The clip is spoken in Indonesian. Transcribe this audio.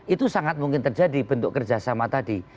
itu sangat mungkin terjadi bentuk kerjasama tadi